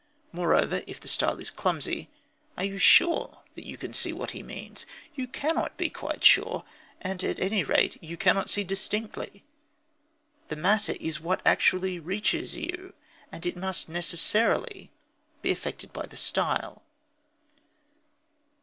Moreover, if the style is clumsy, are you sure that you can see what he means? You cannot be quite sure. And at any rate, you cannot see distinctly. The "matter" is what actually reaches you, and it must necessarily be affected by the style.